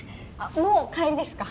もう帰りですか？